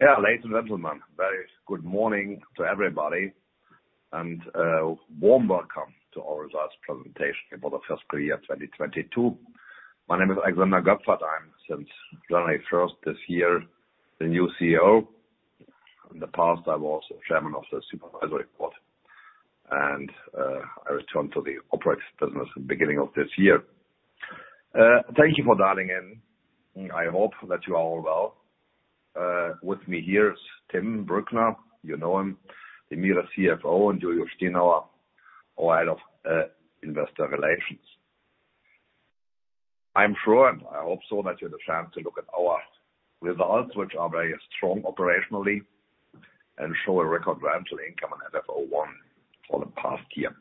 Ladies and gentlemen, very good morning to everybody and warm welcome to our Results Presentation for the Fiscal Year 2022. My name is Alexander Götz. I'm since January 1st this year, the new CEO. In the past, I was Chairman of the Supervisory Board and I returned to the operations business at the beginning of this year. Thank you for dialing in. I hope that you are all well. With me here is Tim Brückner. You know him, the DEMIRE CFO, and Julius Stinauer, our Head of Investor Relations. I'm sure, and I hope so, that you had a chance to look at our results, which are very strong operationally and show a record rental income on FFO I for the past year.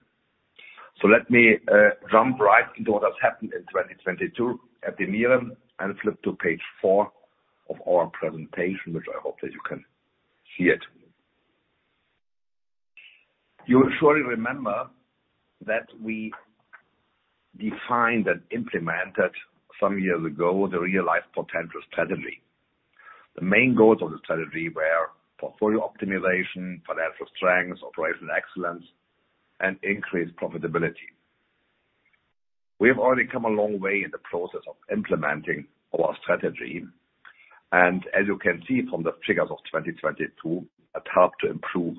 Let me jump right into what has happened in 2022 at DEMIRE and flip to page 4 of our presentation, which I hope that you can see it. You will surely remember that we defined and implemented some years ago the REALIZE POTENTIAL strategy. The main goals of the strategy were portfolio optimization, financial strength, operational excellence, and increased profitability. We have already come a long way in the process of implementing our strategy, and as you can see from the figures of 2022, helped to improve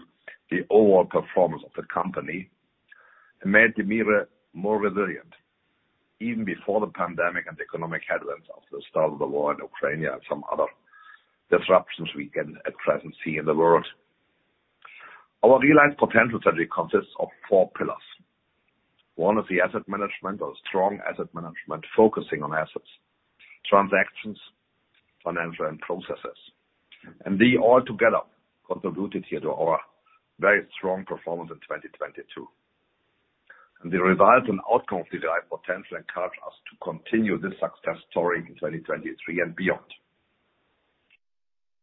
the overall performance of the company and made DEMIRE more resilient even before the pandemic and economic headwinds of the start of the war in Ukraine and some other disruptions we can at present see in the world. Our REALIZE POTENTIAL strategy consists of 4 pillars. One is the asset management or strong asset management, focusing on assets, transactions, financial, and processes. They all together contributed here to our very strong performance in 2022. The revised and outcome REALIZE POTENTIAL encourage us to continue this success story in 2023 and beyond.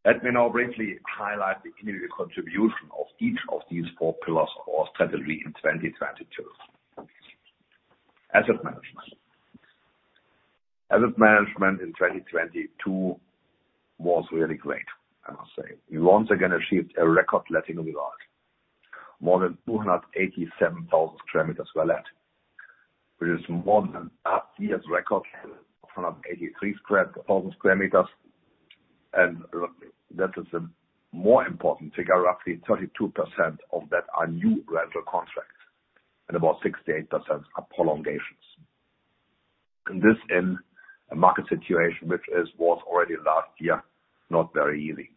Let me now briefly highlight the individual contribution of each of these four pillars of our strategy in 2022. Asset management. Asset management in 2022 was really great, I must say. We once again achieved a record letting regard. More than 287,000 sq m were let, which is more than last year's record, 483,000 sq m. That is a more important figure. Roughly 32% of that are new rental contracts and about 68% are prolongations. This in a market situation, which was already last year, not very easy.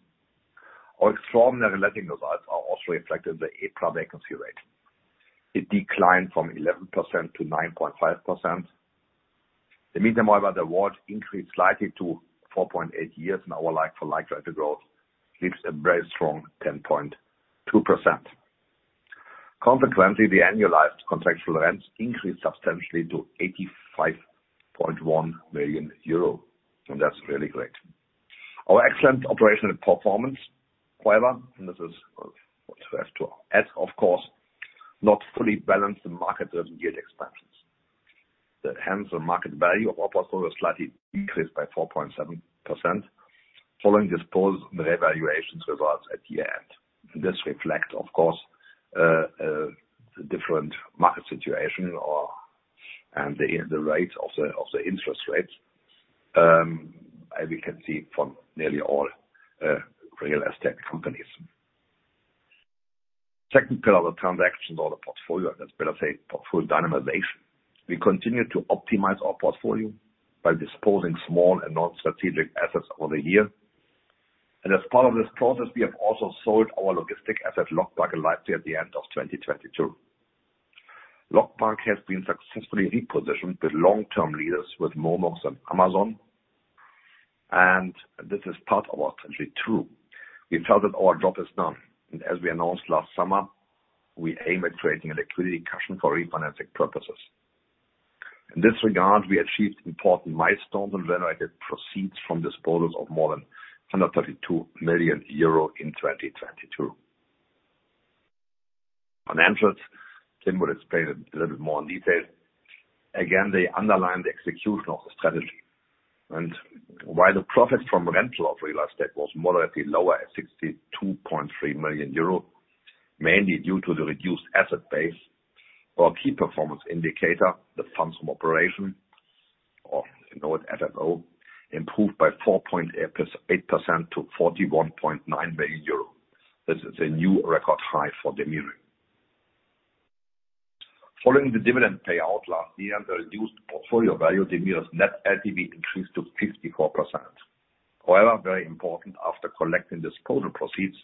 Our extraordinary letting results are also reflected in the 8% vacancy rate. It declined from 11% to 9.5%. The mean time over the award increased slightly to 4.8 years, and our like-for-like rent growth keeps a very strong 10.2%. Consequently, the annualized contractual rents increased substantially to 85.1 million euro, and that's really great. Our excellent operational performance, however, and this is what we have to add, of course, not fully balanced the market as yield expansions. Hence the market value of our portfolio slightly decreased by 4.7% following disposed revaluations results at year-end. This reflects, of course, a different market situation or the rate of the interest rates, as we can see from nearly all real estate companies. Second pillar, the transactions or the portfolio, it's better said, portfolio dynamization. We continue to optimize our portfolio by disposing small and non-strategic assets over the year. As part of this process, we have also sold our logistic asset, LogPark in Leipzig, at the end of 2022. LogPark has been successfully repositioned with long-term leaders with Momox and Amazon, and this is part of our strategy too. We felt that our job is done, and as we announced last summer, we aim at creating a liquidity cushion for refinancing purposes. In this regard, we achieved important milestones and generated proceeds from disposals of more than 132 million euro in 2022. Financials. Tim will explain a little bit more in detail. Again, they underline the execution of the strategy. While the profit from rental of real estate was moderately lower at 62.3 million euro, mainly due to the reduced asset base. Our key performance indicator, the funds from operation or you know it, FFO, improved by 4.88% to 41.9 million euro. This is a new record high for DEMIRE. Following the dividend payout last year and the reduced portfolio value, DEMIRE's net LTV increased to 54%. However, very important, after collecting disposal proceeds,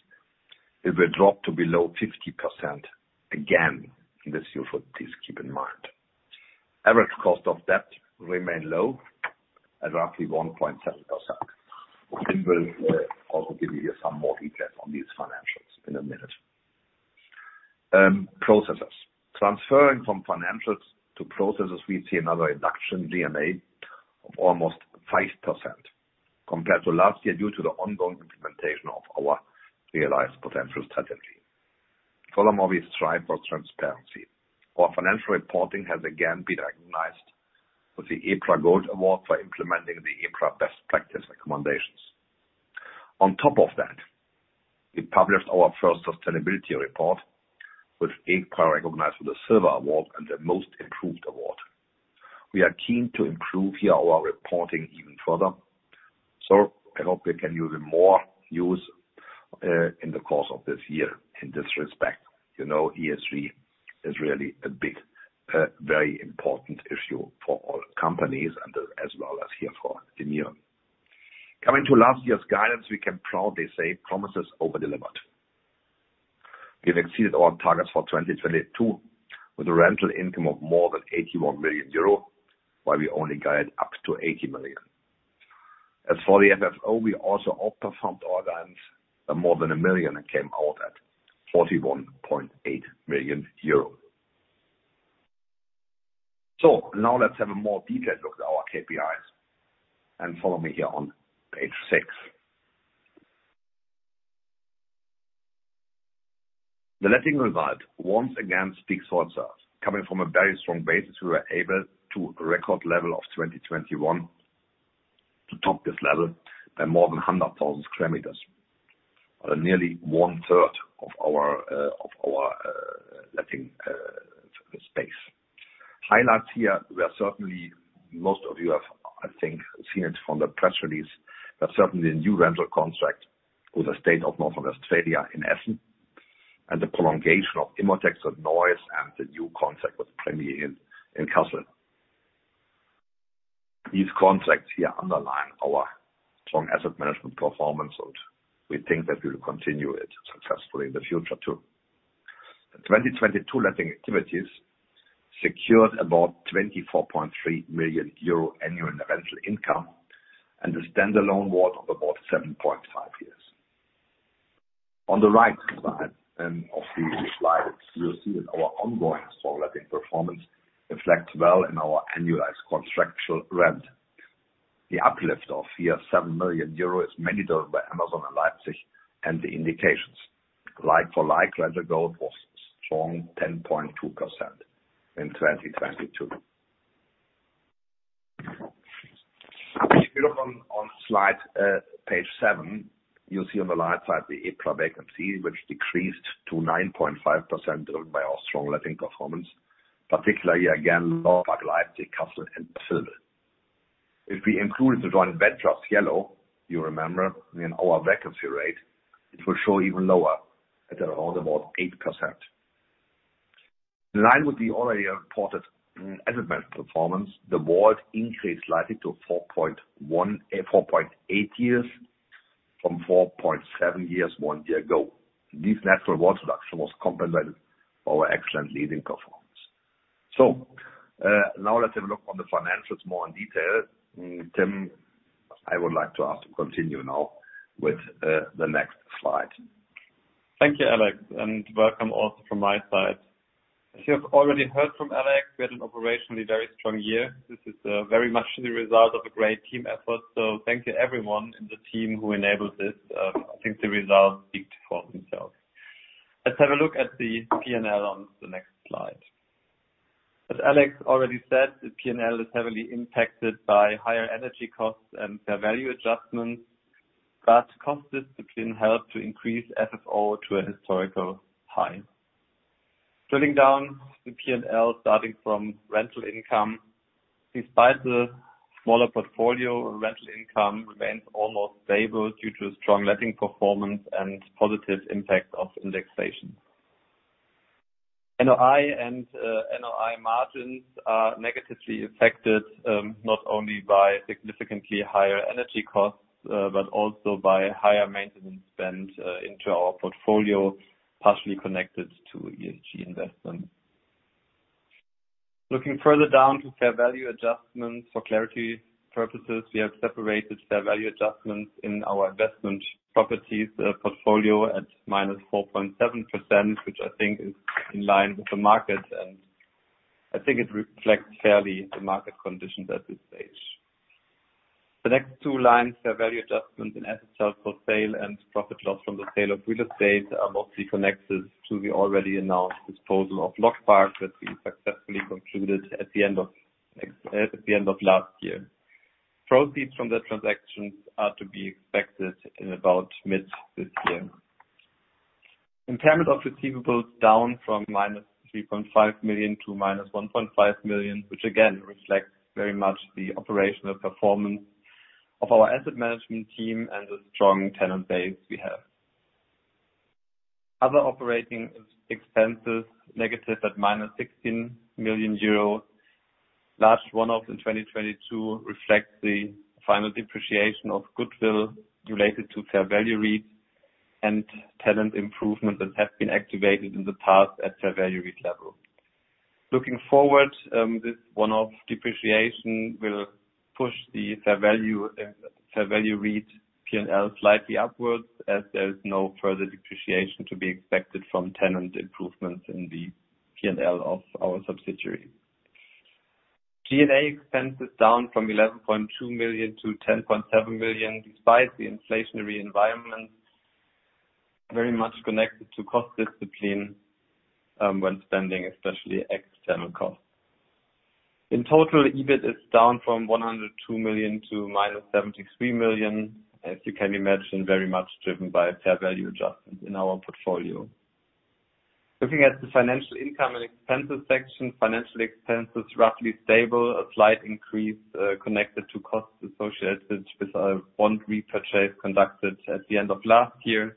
it will drop to below 50% again this year. Please keep in mind. Average cost of debt remain low at roughly 1.7%. Tim will also give you some more details on these financials in a minute. Processes. Transferring from financials to processes, we see another reduction GMA of almost 5% compared to last year due to the ongoing implementation of our REALIZE POTENTIAL strategy. We strive for transparency. Our financial reporting has again been recognized with the EPRA Gold Award for implementing the EPRA best practice recommendations. We published our first sustainability report, which EPRA recognized with the Silver Award and the Most Improved Award. We are keen to improve here our reporting even further, I hope we can use it more in the course of this year in this respect. You know, ESG is really a big, very important issue for all companies and as well as here for DEMIRE. Coming to last year's guidance, we can proudly say promise is over-delivered. We have exceeded our targets for 2022 with a rental income of more than 81 million euro, while we only guide up to 80 million. As for the FFO, we also outperformed our guidance by more than 1 million and came out at 41.8 million euro. Now let's have a more detailed look at our KPIs and follow me here on page 6. The letting result once again speaks for itself. Coming from a very strong basis, we were able to record level of 2021 to top this level by more than 100,000 sq m on nearly 1/3 of our letting space. Highlights here were certainly, most of you have, I think, seen it from the press release, certainly the new rental contract with the state of North Rhine-Westphalia in Essen and the prolongation of IMOTEX in Neuss and the new contract with Premier Inn in Kassel. These contracts here underline our strong asset management performance, we think that we will continue it successfully in the future too. The 2022 letting activities secured about 24.3 million euro annual rental income and a standalone WALT of about 7.5 years. On the right side of the slide you'll see that our ongoing strong letting performance reflects well in our annualized contractual rent. The uplift of 7 million euro, mainly done by Amazon in Leipzig and the indications like for like rental growth was strong 10.2% in 2022. If you look on slide, page 7, you'll see on the right side the EPRA vacancy, which decreased to 9.5%, driven by our strong letting performance, particularly again, in Leipzig, Kassel and Berlin. If we include the joint ventures, yellow, you remember, in our vacancy rate, it will show even lower at around about 8%. In line with the already reported asset management performance, the WALT increased slightly to 4.8 years from 4.7 years one year ago. This natural WALT reduction was complemented our excellent leasing performance. Now let's have a look on the financials more in detail. Tim, I would like to ask to continue now with the next slide. Thank you, Alex. Welcome also from my side. As you have already heard from Alex, we had an operationally very strong year. This is very much the result of a great team effort. Thank you everyone in the team who enabled this. I think the results speak for themselves. Let's have a look at the P&L on the next slide. As Alex already said, the P&L is heavily impacted by higher energy costs and fair value adjustments. Cost discipline helped to increase FFO to a historical high. Drilling down the P&L, starting from rental income. Despite the smaller portfolio, rental income remains almost stable due to strong letting performance and positive impact of indexation. NOI and NOI margins are negatively affected, not only by significantly higher energy costs, but also by higher maintenance spend into our portfolio, partially connected to ESG investment. Looking further down to fair value adjustments. For clarity purposes, we have separated fair value adjustments in our investment properties portfolio at -4.7%, which I think is in line with the market, and I think it reflects fairly the market conditions at this stage. The next two lines, fair value adjustments in assets held for sale and profit loss from the sale of real estate, are mostly connected to the already announced disposal of LogPark that we successfully concluded at the end of last year. Proceeds from the transactions are to be expected in about mid this year. Impairment of receivables down from -3.5 million to -1.5 million, which again reflects very much the operational performance of our asset management team and the strong tenant base we have. Other operating ex-expenses, negative at -16 million euros. Last one-off in 2022 reflects the final depreciation of goodwill related to Fair Value REITs and tenant improvements that have been activated in the past at Fair Value REIT level. Looking forward, this one-off depreciation will push the Fair Value REIT P&L slightly upwards as there is no further depreciation to be expected from tenant improvements in the P&L of our subsidiary. G&A expenses down from 11.2 million to 10.7 million, despite the inflationary environment very much connected to cost discipline when spending, especially external costs. In total, EBIT is down from 102 million to -73 million. As you can imagine, very much driven by fair value adjustments in our portfolio. Looking at the financial income and expenses section, financial expenses roughly stable. A slight increase connected to costs associated with our bond repurchase conducted at the end of last year.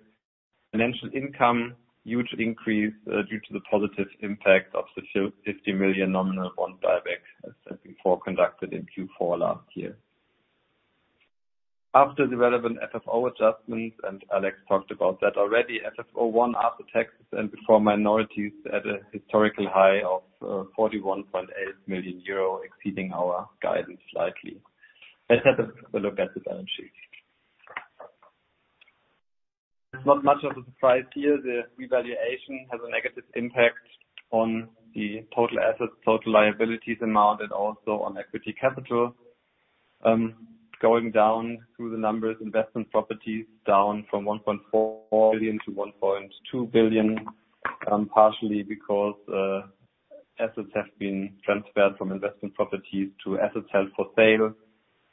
Financial income, huge increase due to the positive impact of the 50 million nominal bond buyback as before conducted in Q4 last year. After the relevant FFO adjustments, and Alex talked about that already, FFO I after taxes and before minorities at a historical high of 41.8 million euro, exceeding our guidance slightly. Let's have a look at the balance sheet. It's not much of a surprise here. The revaluation has a negative impact on the total assets, total liabilities amount, and also on equity capital. Going down through the numbers, investment properties down from 1.4 billion to 1.2 billion, partially because assets have been transferred from investment properties to assets held for sale.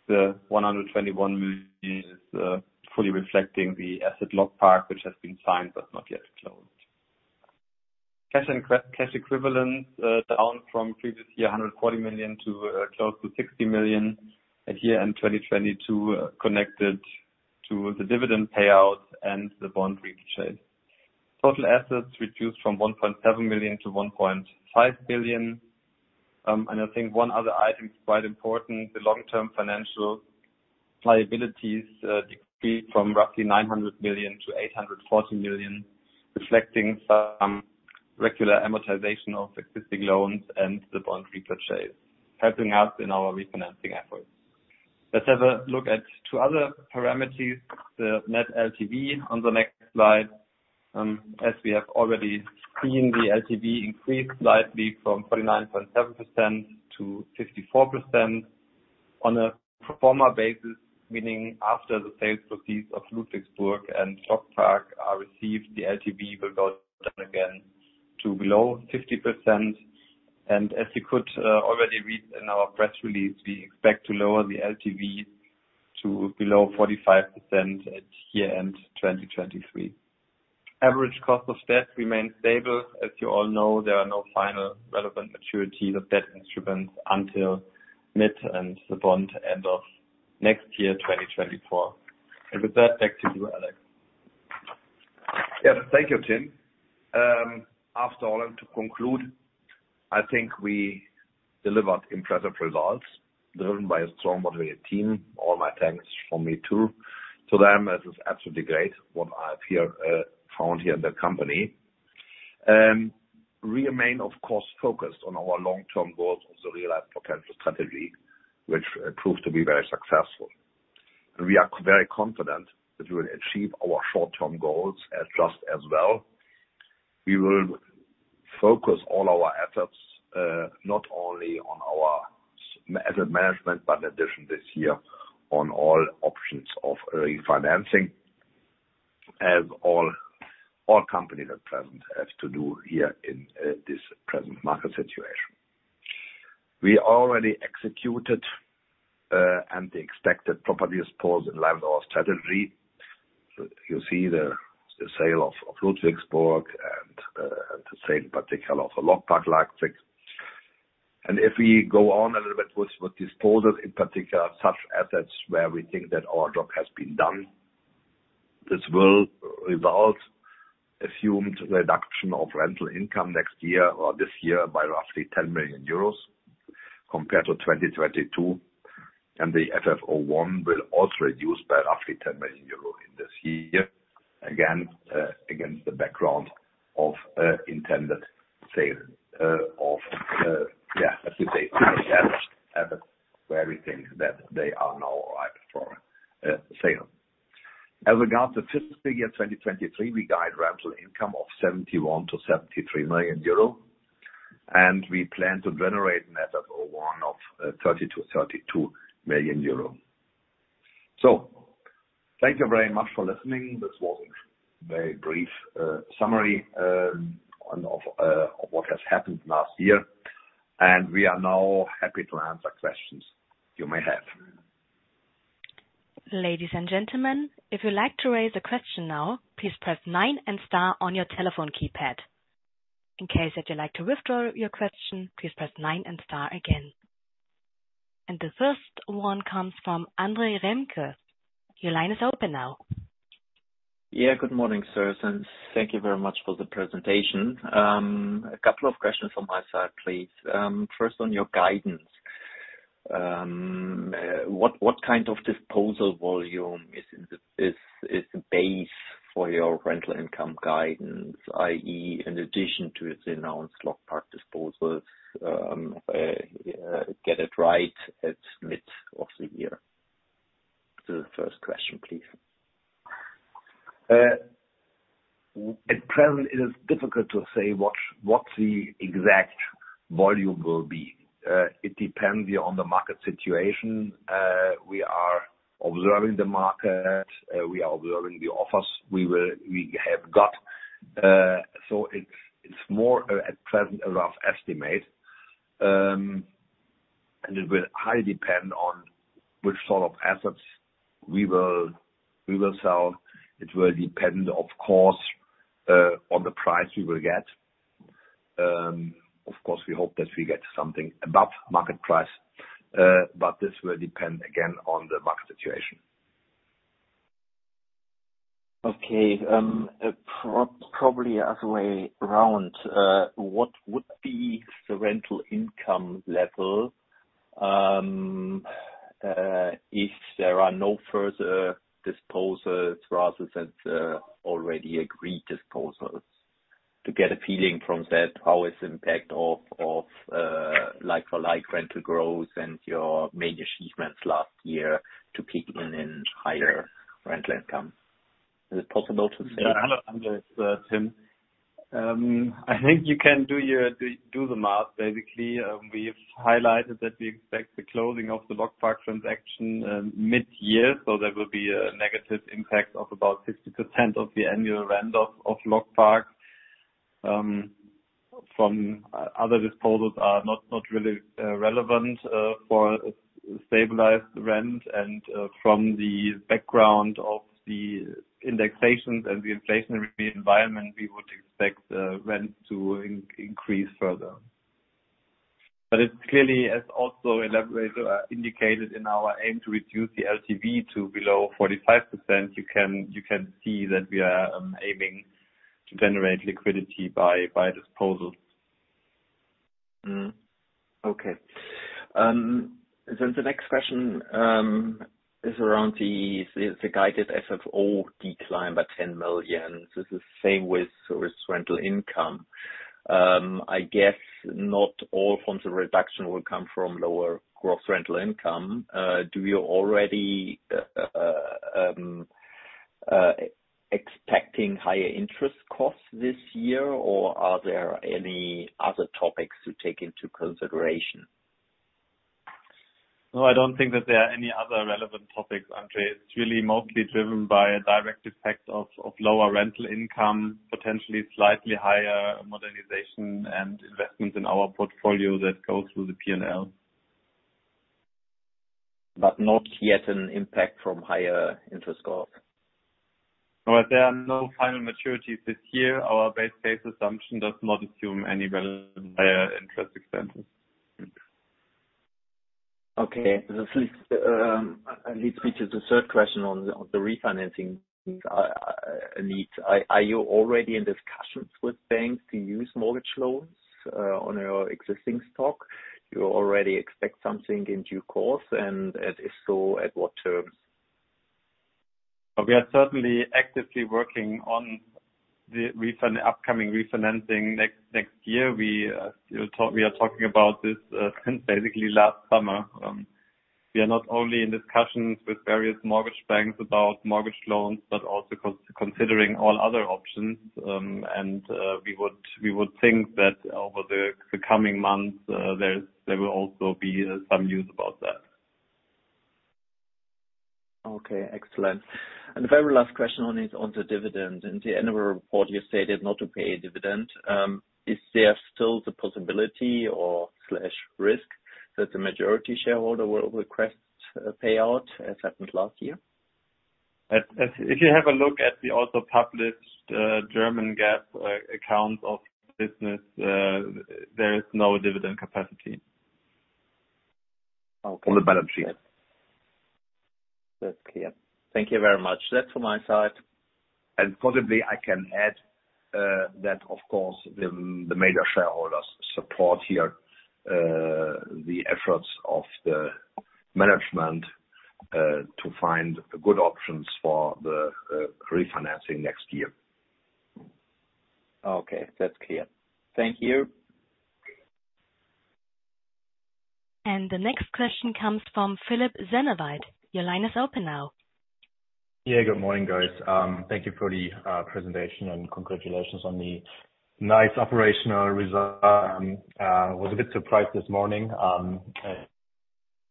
The 121 million is fully reflecting the asset LogPark which has been signed but not yet closed. Cash and cash equivalents down from previous year, 140 million to close to 60 million at year end 2022, connected to the dividend payout and the bond repurchase. Total assets reduced from 1.7 billion to 1.5 billion. I think one other item is quite important. The long term financial liabilities decreased from roughly 900 million to 840 million, reflecting some regular amortization of existing loans and the bond repurchase, helping us in our refinancing efforts. Let's have a look at two other parameters. The Net LTV on the next slide. As we have already seen, the LTV increased slightly from 49.7% to 54%. On a pro forma basis, meaning after the sales proceeds of Ludwigsburg and LogPark are received, the LTV will go down again to below 50%. As you could already read in our press release, we expect to lower the LTV to below 45% at year end, 2023. Average cost of debt remained stable. As you all know, there are no final relevant maturities of debt instruments until mid and the bond end of next year, 2024. With that, back to you, Alex. Yes, thank you, Tim. After all and to conclude, I think we delivered impressive results driven by a strong motivated team. All my thanks from me too. To them, this is absolutely great what I have here found here in the company. Remain of course focused on our long-term goals of the REALIZE POTENTIAL strategy, which proved to be very successful. We are very confident that we will achieve our short-term goals as just as well. We will focus all our efforts not only on our asset management, but in addition this year on all options of early financing, as all companies at present have to do here in this present market situation. We already executed, and the expected property exposed in line with our strategy. You see the sale of Ludwigsburg and the sale in particular of LogPark Leipzig. If we go on a little bit with disposals in particular, such assets where we think that our job has been done, this will result assumed reduction of rental income next year or this year by roughly 10 million euros compared to 2022. The FFO I will also reduce by roughly 10 million euro in this year. Again, against the background of intended sale of, yeah, as you say, assets where we think that they are now ripe for sale. As regards to fiscal year 2023, we guide rental income of 71 million-73 million euro, and we plan to generate an FFO I of 30 million-32 million euro. Thank you very much for listening. This was a very brief summary of what has happened last year. We are now happy to answer questions you may have. Ladies and gentlemen, if you'd like to raise a question now, please press nine and star on your telephone keypad. In case that you'd like to withdraw your question, please press nine and star again. The first one comes from Andre Remke. Your line is open now. Yeah, good morning, sirs. Thank you very much for the presentation. A couple of questions from my side, please. First on your guidance. What kind of disposal volume is the base for your rental income guidance, i.e., in addition to the announced LogPark disposals, get it right at mid of the year? The first question, please. At present it is difficult to say what the exact volume will be. It depends on the market situation. We are observing the market, we are observing the offers we have got. It's more at present a rough estimate. It will highly depend on which sort of assets we will sell. It will depend, of course, on the price we will get. Of course, we hope that we get something above market price, this will depend again on the market situation. Probably other way around, what would be the rental income level, if there are no further disposals rather than already agreed disposals? To get a feeling from that, how its impact of like for like rental growth and your main achievements last year to peak in higher rental income. Is it possible to say? Hello, Andre, it's Tim. I think you can do the math, basically. We've highlighted that we expect the closing of the LogPark transaction mid-year, so there will be a negative impact of about 60% of the annual rent of LogPark. From other disposals are not really relevant for stabilized rent and from the background of the indexations and the inflationary environment, we would expect rent to increase further. It's clearly, as also elaborated, indicated in our aim to reduce the LTV to below 45%. You can see that we are aiming to generate liquidity by disposals. The next question is around the, the guided FFO decline by 10 million. It's the same with service rental income. I guess not all forms of reduction will come from lower gross rental income. Do you already expecting higher interest costs this year, or are there any other topics to take into consideration? No, I don't think that there are any other relevant topics, Andre. It's really mostly driven by a direct effect of lower rental income, potentially slightly higher modernization and investments in our portfolio that go through the P&L. Not yet an impact from higher interest costs? There are no final maturities this year. Our base case assumption does not assume any relevant higher interest expenses. Okay. This leads me to the third question on the refinancing need. Are you already in discussions with banks to use mortgage loans on your existing stock? You already expect something in due course, and if so, at what terms? We are certainly actively working on the upcoming refinancing next year. We are talking about this since basically last summer. We are not only in discussions with various mortgage banks about mortgage loans, but also considering all other options. We would think that over the coming months, there will also be some news about that. Okay, excellent. The very last question on is on the dividend. In the annual report you stated not to pay a dividend. Is there still the possibility or slash risk that the majority shareholder will request a payout as happened last year? If you have a look at the also published, German GAAP, accounts of business, there is no dividend capacity. Okay. On the balance sheet. That's clear. Thank you very much. That's from my side. Possibly I can add that of course the major shareholders support here the efforts of the management to find good options for the refinancing next year. Okay. That's clear. Thank you. The next question comes from Philipp Sennewald. Your line is open now. Yeah. Good morning, guys. Thank you for the presentation, congratulations on the nice operational result. Was a bit surprised this morning,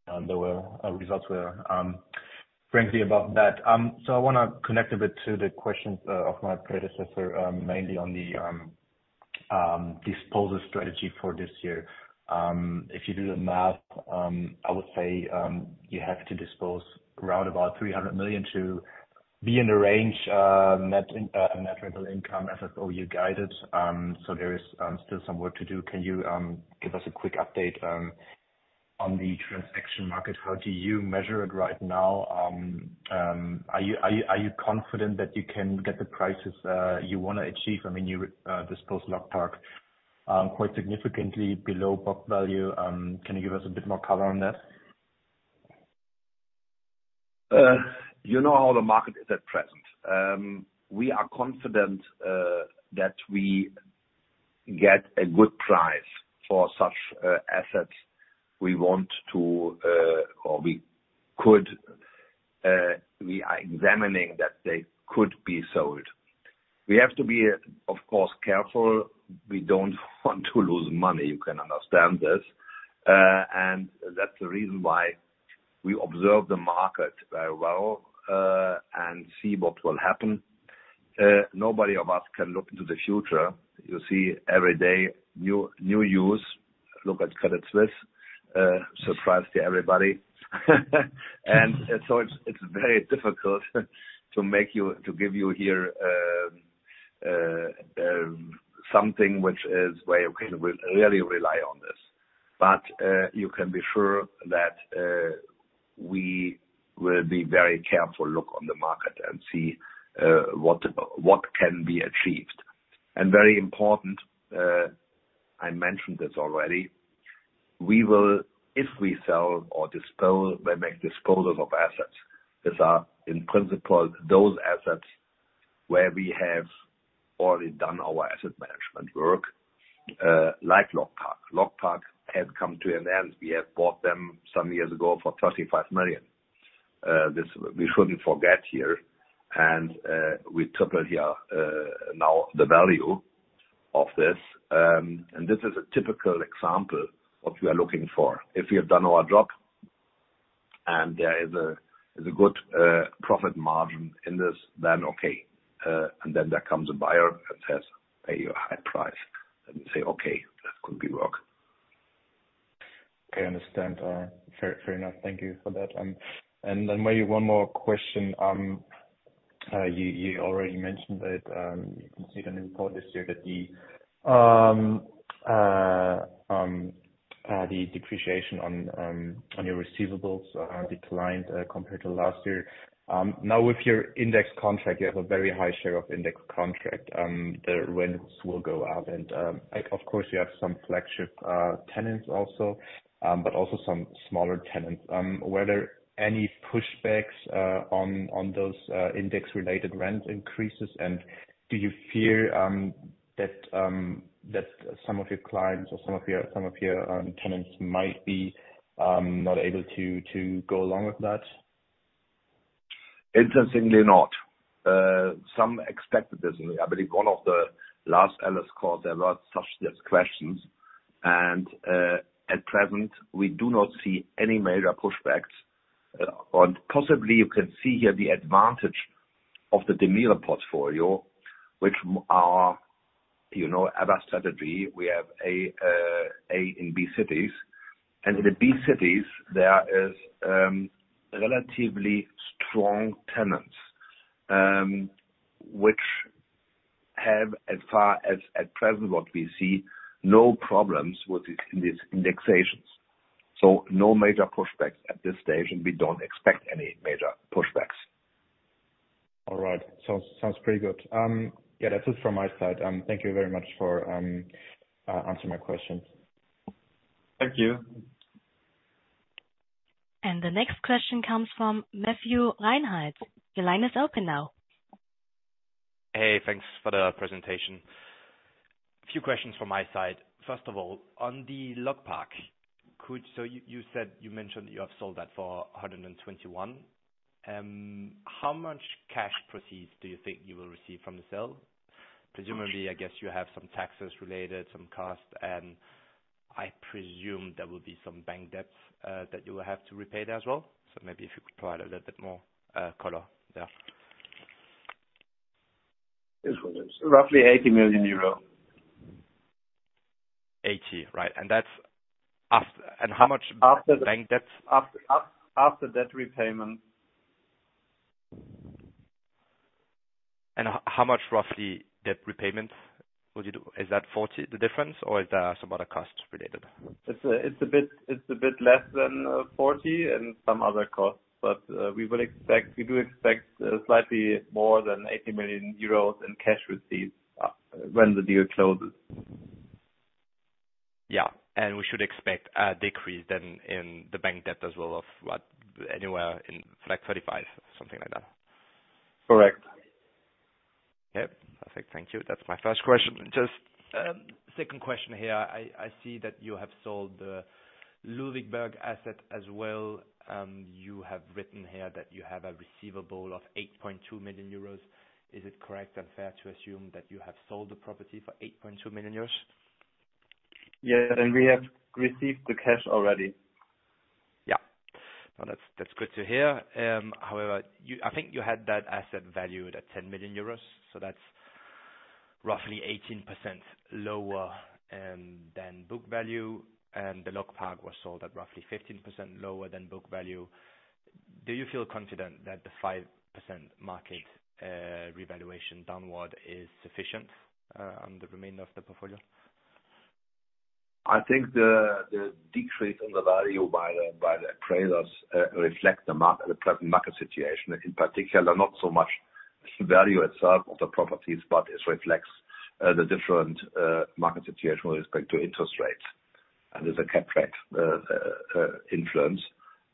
results were frankly above that. I wanna connect a bit to the questions of my predecessor, mainly on the disposal strategy for this year. If you do the math, I would say, you have to dispose around about 300 million to be in the range, net rental income FFO you guided, so there is still some work to do. Can you give us a quick update on the transaction market? How do you measure it right now? Are you confident that you can get the prices you wanna achieve? I mean, you disposed LogPark quite significantly below book value. Can you give us a bit more color on that? You know how the market is at present. We are confident that we get a good price for such assets we want to, or we could, we are examining that they could be sold. We have to be of course careful. We don't want to lose money. You can understand this. That's the reason why we observe the market very well and see what will happen. Nobody of us can look into the future. You see every day new news. Look at Credit Suisse, surprise to everybody. So it's very difficult to give you here something which is where you can really rely on this. You can be sure that we will be very careful look on the market and see what can be achieved. Very important, I mentioned this already, we will, if we sell or dispose, we make disposals of assets. These are in principle those assets where we have already done our asset management work, like LogPark. LogPark had come to an end. We have bought them some years ago for 35 million. This we shouldn't forget here. We total here now the value of this. This is a typical example of we are looking for. If we have done our job and there is a good profit margin in this, then okay. Then there comes a buyer that says, "Pay you a high price." We say, "Okay, that could be work. Okay, understand. Fair enough. Thank you for that. Maybe one more question. You already mentioned that you can see the new report this year that the depreciation on your receivables declined compared to last year. Now with your index contract, you have a very high share of index contract, the rents will go up. Of course you have some flagship tenants also, but also some smaller tenants. Were there any pushbacks on those index related rent increases? Do you fear that some of your clients or some of your tenants might be not able to go along with that? Interestingly not. Some expected this. I believe one of the last analyst calls there were such as questions. At present, we do not see any major pushbacks. Possibly you can see here the advantage of the DEMIRE portfolio, which are, our strategy. We have A and B cities. In the B cities there is relatively strong tenants, which have as far as at present what we see, no problems with in these indexations. No major pushbacks at this stage, and we don't expect any major pushbacks. All right. Sounds pretty good. That's it from my side. Thank you very much for answering my questions. Thank you. The next question comes from Matthias Reinhardt. Your line is open now. Hey, thanks for the presentation. Few questions from my side. First of all, on the LogPark, you said, you mentioned you have sold that for 121. How much cash proceeds do you think you will receive from the sale? Presumably, I guess you have some taxes related, some costs, and I presume there will be some bank debts that you will have to repay there as well. Maybe if you could provide a little bit more color there. Roughly 80 million euro. 80 million. Right. that's how much bank debts? After debt repayment. How much roughly debt repayments would you do? Is that 40 million, the difference? Or is there some other costs related? It's a bit less than 40 million and some other costs. We do expect slightly more than 80 million euros in cash receipts when the deal closes. Yeah. We should expect a decrease then in the bank debt as well of what? Anywhere in like 35, something like that. Correct. Yep. Perfect. Thank you. That's my first question. Just, second question here. I see that you have sold the Ludvig Åberg asset as well. You have written here that you have a receivable of 8.2 million euros. Is it correct and fair to assume that you have sold the property for 8.2 million euros? Yeah. We have received the cash already. Yeah. No, that's good to hear. However, I think you had that asset valued at 10 million euros, so that's roughly 18% lower than book value. The LogPark was sold at roughly 15% lower than book value. Do you feel confident that the 5% market revaluation downward is sufficient on the remainder of the portfolio? I think the decrease in the value by the appraisers reflect the present market situation. In particular, not so much the value itself of the properties, but it reflects the different market situation with respect to interest rates. There's a cap rate influence,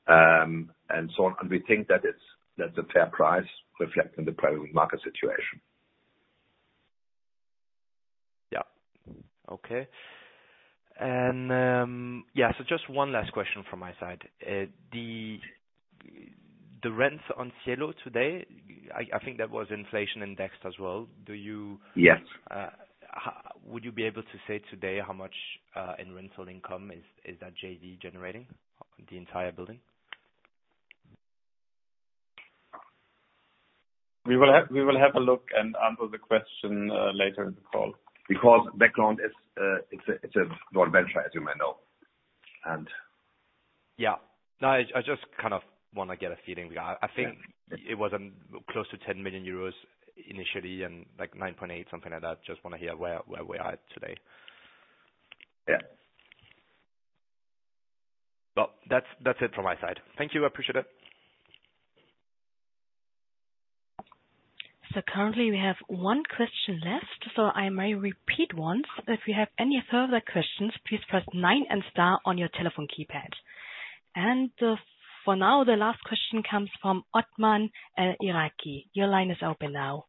and so on. We think that's a fair price reflecting the private market situation. Yeah. Okay. yeah, just one last question from my side. The rents on Cielo today, I think that was inflation indexed as well. Yes. Would you be able to say today how much in rental income is that JV generating the entire building? We will have a look and answer the question later in the call. Background is, it's a non-venture, as you may know, and... No, I just kind of wanna get a feeling. I think it was close to 10 million euros initially and like 9.8 million, something like that. Just wanna hear where we are today. Yeah. Well, that's it from my side. Thank you. I appreciate it. Currently we have one question left, so I may repeat once. If you have any further questions, please press nine and star on your telephone keypad. For now, the last question comes from Othman El Iraki. Your line is open now.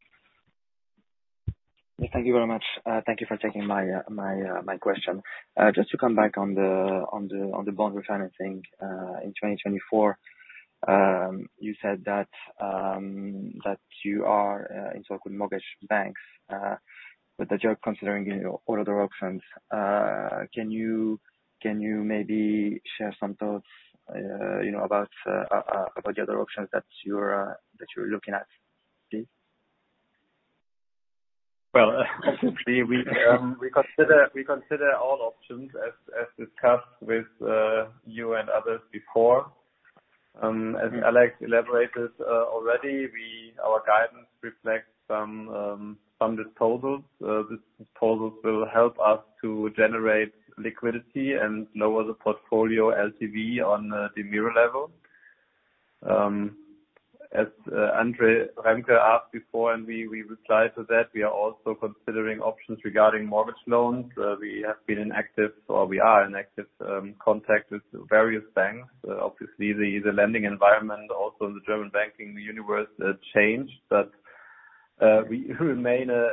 Thank you very much. Thank you for taking my question. Just to come back on the bond refinancing in 2024. You said that you are in talk with mortgage banks, but that you're considering all other options. Can you maybe share some thoughts, about the other options that you're looking at, please? Well, actually we consider all options as discussed with you and others before. As Alex elaborated already, our guidance reflects some from disposals. Disposals will help us to generate liquidity and lower the portfolio LTV on DEMIRE level. As Andre Remke asked before, and we replied to that, we are also considering options regarding mortgage loans. We are in active contact with various banks. Obviously the lending environment also in the German banking universe changed. We remain a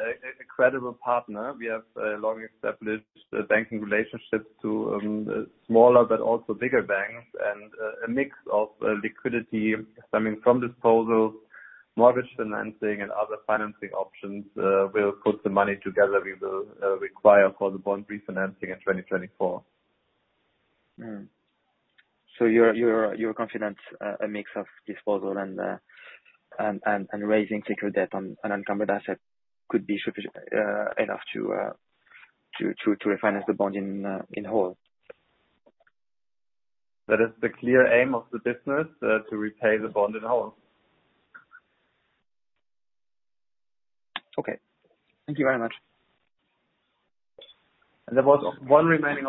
credible partner. We have long-established banking relationships to smaller but also bigger banks. A mix of liquidity stemming from disposals, mortgage financing, and other financing options will put the money together we will require for the bond refinancing in 2024. You're confident a mix of disposal and raising secured debt on an encumbered asset could be enough to refinance the bond in whole? That is the clear aim of the business, to repay the bond in whole. Okay. Thank you very much. There was one remaining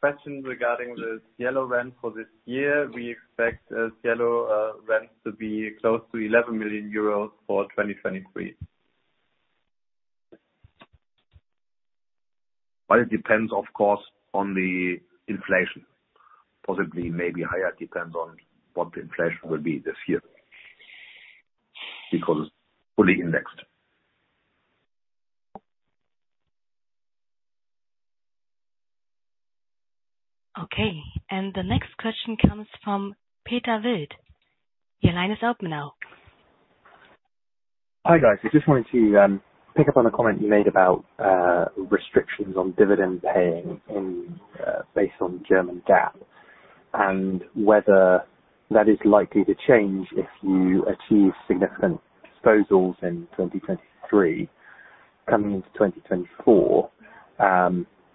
question regarding the Cielo rent for this year. We expect Cielo rent to be close to 11 million euros for 2023. It depends, of course, on the inflation. Possibly may be higher, it depends on what the inflation will be this year, because it's fully indexed. Okay. The next question comes from Peter Wild. Your line is open now. Hi, guys. I just wanted to pick up on a comment you made about restrictions on dividend paying based on German GAAP, and whether that is likely to change if you achieve significant disposals in 2023. Coming into 2024,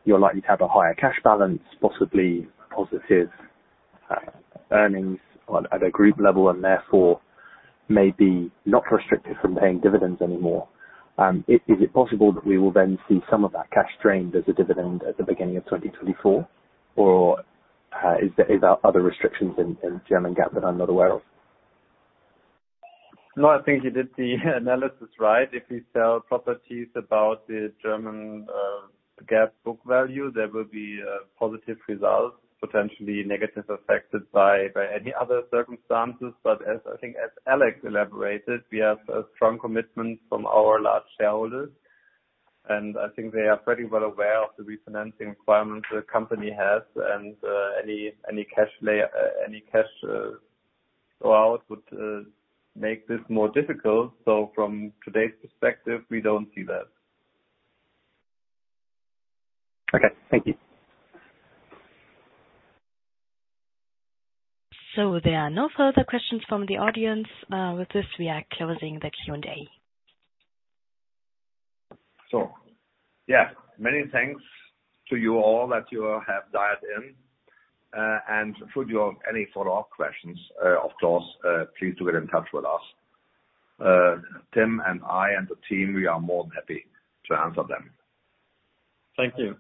you're likely to have a higher cash balance, possibly positive earnings on, at a group level. Therefore, may be not restricted from paying dividends anymore. Is it possible that we will then see some of that cash drained as a dividend at the beginning of 2024? Is there other restrictions in German GAAP that I'm not aware of? No, I think you did the analysis right. If we sell properties above the German GAAP book value, there will be a positive result, potentially negative affected by any other circumstances. As I think as Alex elaborated, we have a strong commitment from our large shareholders, and I think they are pretty well aware of the refinancing requirements the company has. Any cash go out would make this more difficult. From today's perspective, we don't see that. Okay, thank you. There are no further questions from the audience. With this, we are closing the Q&A. Yeah, many thanks to you all that you have dialed in. Should you have any follow-up questions, of course, please do get in touch with us. Tim and I and the team, we are more than happy to answer them. Thank you.